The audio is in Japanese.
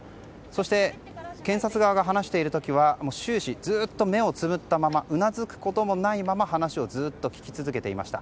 そして、検察側が話している時は終始、ずっと目をつぶったままうなずくこともないまま話をずっと聞き続けていました。